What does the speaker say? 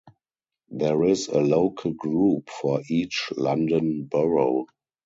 There is a local group for each London borough.